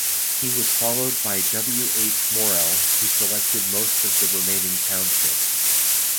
He was followed by W. H. Morrell who selected most of the remaining township.